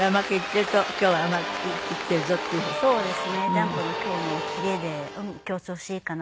ジャンプの今日のキレで今日調子いいかな？